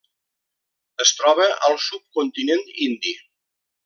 Es troba al subcontinent indi.